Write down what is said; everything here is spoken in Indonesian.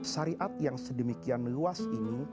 syariat yang sedemikian luas ini